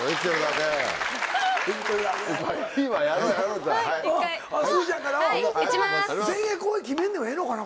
前衛後衛決めんでもええのかな？